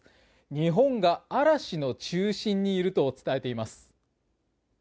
日本が嵐の中心にいると伝えています。